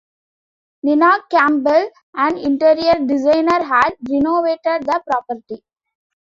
Nina Campbell, an interior designer, had renovated the property.